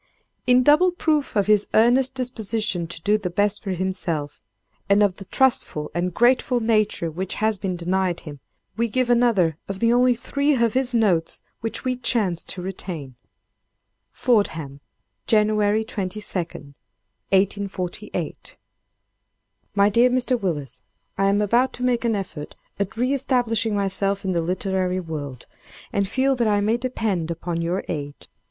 In double proof of his earnest disposition to do the best for himself, and of the trustful and grateful nature which has been denied him, we give another of the only three of his notes which we chance to retain: "FORDHAM, January 22, 1848. "MY DEAR MR. WILLIS—I am about to make an effort at re establishing myself in the literary world, and feel that I may depend upon your aid.